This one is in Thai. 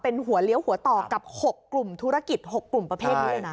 เป็นหัวเลี้ยวหัวต่อกับ๖กลุ่มธุรกิจ๖กลุ่มประเภทนี้เลยนะ